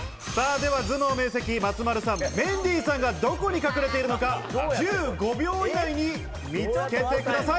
では頭脳明晰・松丸さん、メンディーさんがどこに隠れているか、１５秒以内に見つけてください。